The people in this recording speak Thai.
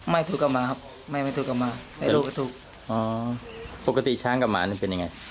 ไม่ถูกกลับมาครับไม่ไม่ถูกกลับมาไม่รู้ก็ถูกอ๋อปกติช้างกับหมานี่เป็นยังไง